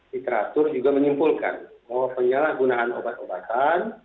literatur juga menyimpulkan bahwa penyalahgunaan obat obatan